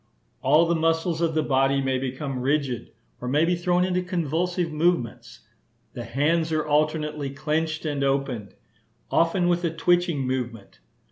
All the muscles of the body may become rigid, or may be thrown into convulsive movements. The hands are alternately clenched and opened, often with a twitching movement.